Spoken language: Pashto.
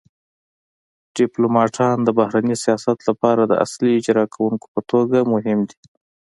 ډیپلوماتان د بهرني سیاست لپاره د اصلي اجرا کونکو په توګه مهم دي